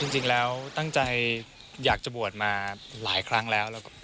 จริงแล้วตั้งใจอยากจะบวชมาหลายครั้งแล้ว